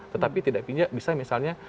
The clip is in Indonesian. tetapi tidak bisa misalnya